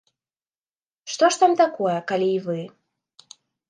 Што ж там такое, калі й вы.